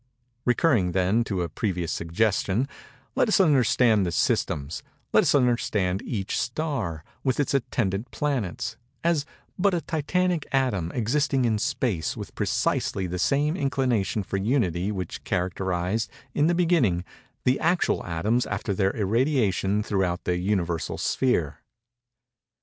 Recurring, then, to a previous suggestion, let us understand the systems—let us understand each star, with its attendant planets—as but a Titanic atom existing in space with precisely the same inclination for Unity which characterized, in the beginning, the actual atoms after their irradiation throughout the Universal sphere.